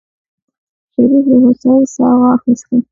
شريف د هوسايۍ سا واخيستله.